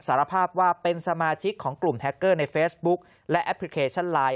สารภาพว่าเป็นสมาชิกของกลุ่มแฮคเกอร์ในเฟซบุ๊กและแอปพลิเคชันไลน